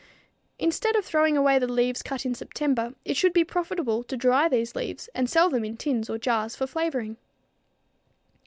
Instead of throwing away the leaves cut in September, it should be profitable to dry these leaves and sell them in tins or jars for flavoring.